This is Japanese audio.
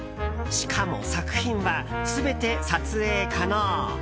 しかも、作品は全て撮影可能。